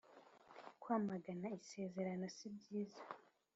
Kwamagana isezerano sibyiza